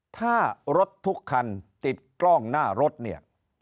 ถ้ารถทุกคันติดกล้องหน้ารถเนี่ย